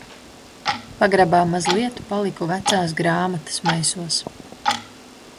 Pagrabā mazliet paliku vecās grāmatas maisos.